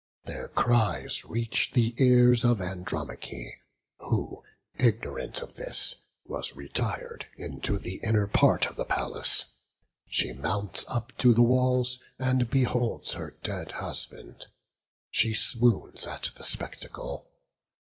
Their cries reach the ears of Andromache, who, ignorant of this, was retired into the inner part of the palace; she mounts up to the walls, and beholds her dead husband. She swoons at the spectacle.